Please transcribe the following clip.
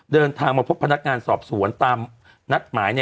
เดินทางมาพบพนักงานสอบสวน